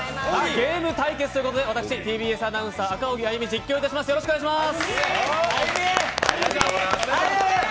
ゲーム対決ということで私、ＴＢＳアナウンサー赤荻歩実況いたします。